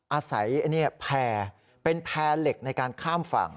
อาศัยแพร่เป็นแพร่เหล็กในการข้ามฝั่ง